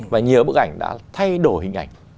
và nhiều bức ảnh đã thay đổi hình ảnh